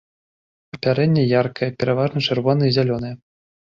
Апярэнне яркае, пераважна чырвонае і зялёнае.